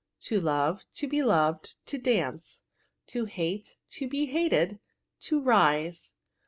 To love. To be loved. To dance. To hate. To be hated. To rise.